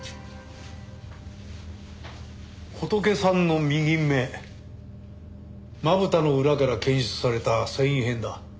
ホトケさんの右目まぶたの裏から検出された繊維片だ。